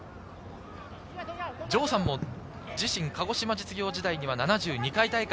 城さんも自身、鹿児島実業時代には７２回大会